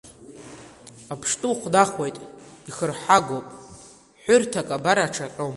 Аԥштәы ухнахуеит, ихырҳагоуп, ҳәырҭак абар аҽаҟьом.